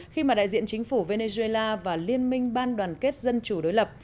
khi mà đại diện chính phủ venezuela và liên minh ban đoàn kết dân chủ đối lập